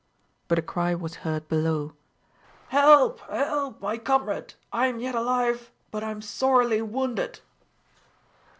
But a cry was heard below: "Help! help! my comrade! I am yet alive, but I am sorely wounded."